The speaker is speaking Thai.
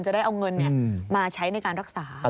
ได้เอาเงินมาใช้ในการรักษา